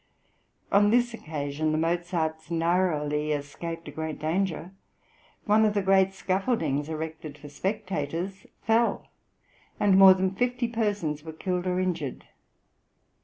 On this occasion the Mozarts narrowly escaped a great danger. One of the great scaffoldings erected for spectators fell, and more than fifty persons were killed or injured.